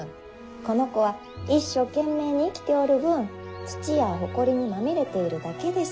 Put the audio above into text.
この子は一生懸命に生きておる分土やほこりにまみれているだけです。